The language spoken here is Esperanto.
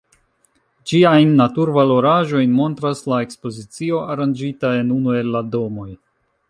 Ĝiajn natur-valoraĵojn montras la ekspozicio aranĝita en unu el la domoj.